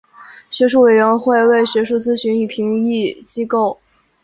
学术委员会为学术咨询与评议机构。